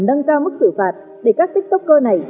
cần đăng cao mức xử phạt để các tiktoker này